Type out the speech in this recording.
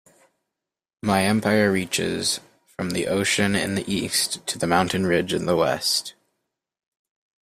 My empire reaches from the ocean in the East to the mountain ridge in the West.